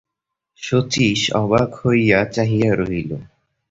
শচীশ অবাক হইয়া চাহিয়া রহিল।